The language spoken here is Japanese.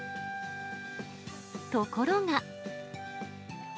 ところが。